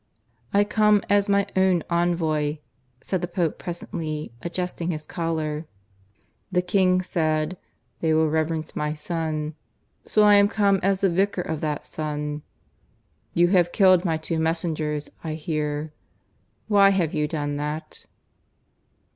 "I come as my own envoy," said the Pope presently, adjusting his collar. "'The King said, "They will reverence My Son,"' so I am come as the Vicar of that Son. You have killed my two messengers, I hear. Why have you done that?"